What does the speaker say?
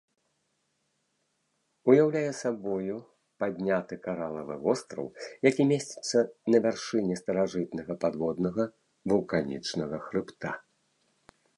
Уяўляе сабою падняты каралавы востраў, які месціцца на вяршыні старажытнага падводнага вулканічнага хрыбта.